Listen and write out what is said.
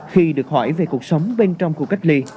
khi được hỏi về cuộc sống bên trong khu cách ly